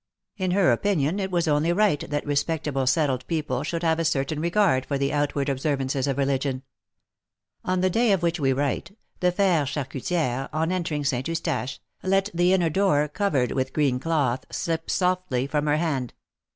In her opinion, it was only right that respectable settled people should have a certain regard for the outward observances of religion. On the day of which we write, the fair charcuti^re, on entering Saint Eustache, let the inner door, covered with green cloth, slip softly from her hand.